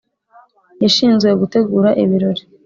yashinzwe gutegura ibirori.